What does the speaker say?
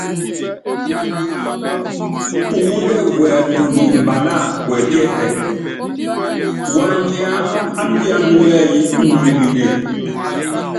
Pumúndɛ́ wɛɛtunu mbaláa, wɛpíɛ́tɛk, waniáma á nuya núɛ́yí umuemine.